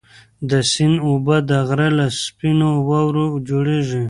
د سیند اوبه د غره له سپینو واورو جوړېږي.